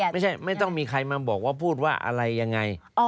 ไม่ใช่ไม่ต้องมีใครมาบอกว่าพูดอะไรยังไง